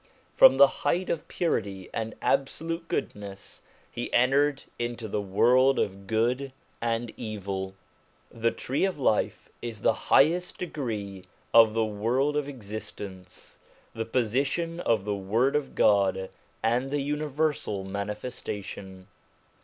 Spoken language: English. From the height of purity and absolute goodness, he entered into the world of good and evil. The tree of life is the highest degree of the world of existence : the position of the Word of God, and the universal Manifestation.